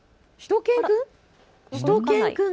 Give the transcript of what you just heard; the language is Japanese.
しゅと犬くん？